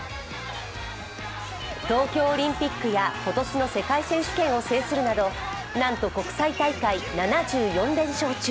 東京オリンピックや今年の世界選手権を制するなどなんと国際大会７４連勝中。